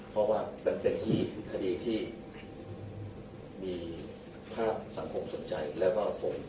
เพราะว่าเป็นที่คดีที่ผ้าสังคมสนใจแล้วว่าผม